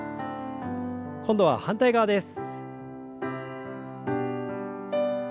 今度は反対側です。